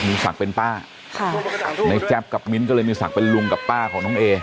มีศักดิ์เป็นป้าค่ะในแจ๊บกับมิ้นก็เลยมีศักดิ์เป็นลุงกับป้าของน้องเอ